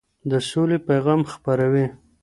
د سولې پيغام خپروي.